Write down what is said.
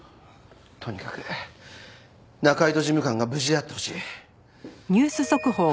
とにかく仲井戸事務官が無事であってほしい。